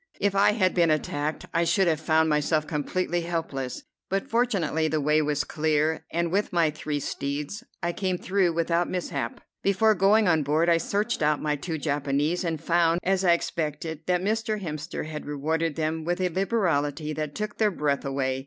If I had been attacked, I should have found myself completely helpless; but fortunately the way was clear, and with my three steeds I came through without mishap. Before going on board I searched out my two Japanese, and found, as I expected, that Mr. Hemster had rewarded them with a liberality that took their breath away.